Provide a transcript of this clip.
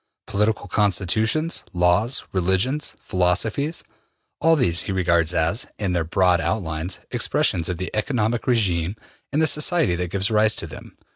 Political constitutions, laws, religions, philosophies all these he regards as, in their broad outlines, expressions of the economic regime in the society that gives rise to them.